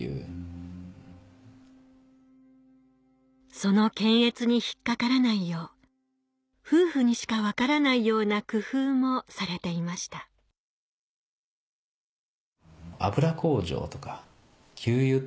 その検閲に引っ掛からないよう夫婦にしか分からないような工夫もされていました「油工場もだいぶ長いこと休みですね」